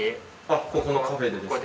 ここのカフェでですか？